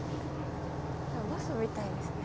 バスみたいですね。